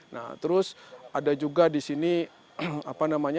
nah terus ada juga di sini apa namanya